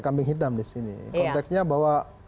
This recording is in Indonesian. kambing hitam disini konteksnya bahwa